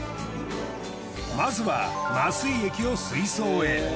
まずは麻酔液を水槽へ。